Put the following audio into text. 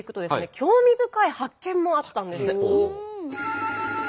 興味深い発見もあったんです。